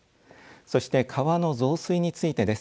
そして川の増水についてです。